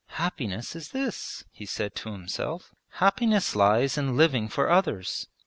'Happiness is this!' he said to himself. 'Happiness lies in living for others.